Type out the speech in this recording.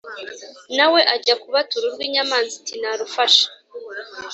na we ajya kubatura urwe, inyamanza iti ‘narufashe.’